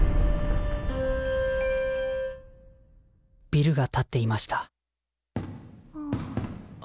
ビルが建っていましたあ。